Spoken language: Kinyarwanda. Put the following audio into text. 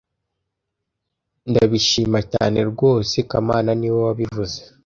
Ndabishima cyane ryose kamana niwe wabivuze